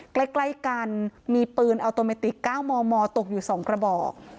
ใกล้ใกล้กันมีปืนอัลโตเมติก๙มมตกอยู่สองกระบอก